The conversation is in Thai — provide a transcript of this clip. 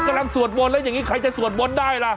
คนกำลังสวดบ้นแล้วอย่างนี้ใครจะสวดบ้นได้ล่ะ